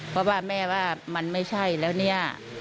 เพราะว่าแม่ว่ามันไม่ใช่แล้วเนี่ย